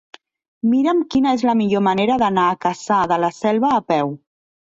Mira'm quina és la millor manera d'anar a Cassà de la Selva a peu.